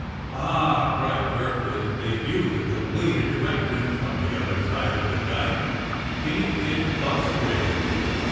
"Ah!" cried Jerk, as they viewed the completed erection from the other side of the dyke; "ain't it fust rate?"